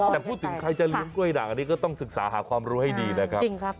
แต่พูดถึงใครจะเลี้ยงกล้วยด่างอันนี้ก็ต้องศึกษาหาความรู้ให้ดีนะครับ